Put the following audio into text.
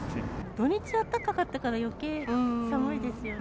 土日あったかかったから、よけい寒いですよね。